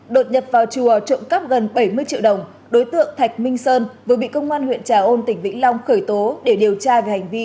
đột nhập vào chùa trộm cắp gần bảy mươi triệu đồng đối tượng thạch minh sơn vừa bị công an huyện trà ôn tỉnh vĩnh long khởi tố để điều tra về hành vi